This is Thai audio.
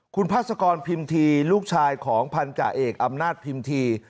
คุณพาสกรพิมทีลูกชายของพันธาเอกอำนาจพิมพี